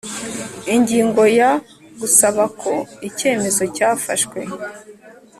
Ingingo ya Gusaba ko icyemezo cyafashwe